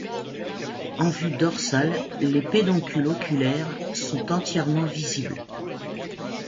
En vue dorsale les pédoncules oculaires sont entièrement visibles.